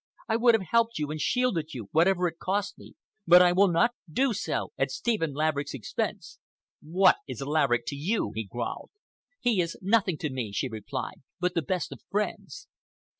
I would have helped you and shielded you, whatever it cost me, but I will not do so at Stephen Laverick's expense." "What is Laverick to you?" he growled. "He is nothing to me," she replied, "but the best of friends.